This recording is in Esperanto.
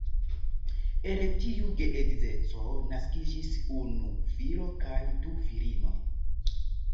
El tiu geedzeco naskiĝis unu filo kaj du filinoj.